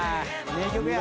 名曲や。